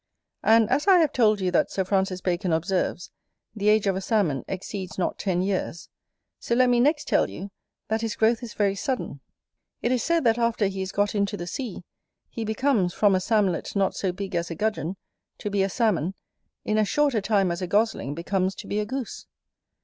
And as I have told you that Sir Francis Bacon observes, the age of a Salmon exceeds not ten years; so let me next tell you, that his growth is very sudden: it is said that after he is got into the sea, he becomes, from a Samlet not so big as a Gudgeon, to be a Salmon, in as short a time as a gosling becomes to be a goose.